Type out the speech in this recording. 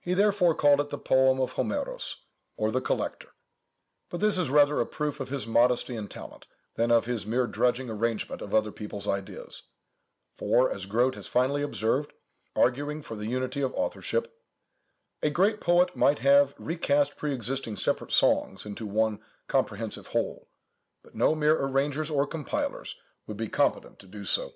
He therefore called it the poem of Homeros, or the Collector; but this is rather a proof of his modesty and talent, than of his mere drudging arrangement of other people's ideas; for, as Grote has finely observed, arguing for the unity of authorship, 'a great poet might have re cast pre existing separate songs into one comprehensive whole; but no mere arrangers or compilers would be competent to do so.